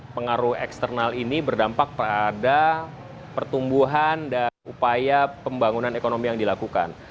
pengaruh eksternal ini berdampak pada pertumbuhan dan upaya pembangunan ekonomi yang dilakukan